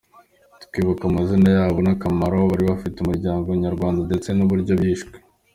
Twibuka amazina yabo n’akamaro bari bafitiye umuryango nyarwanda ndetse n’uburyo bishwe.